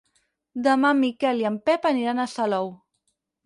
Demà en Miquel i en Pep aniran a Salou.